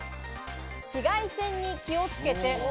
紫外線に気をつけて！